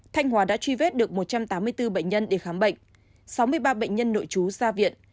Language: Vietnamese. thanh hóa đã truy vết được một trăm tám mươi bốn bệnh nhân để khám bệnh sáu mươi ba bệnh nhân nội chú ra viện